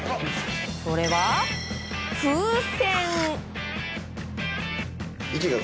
それは、風船。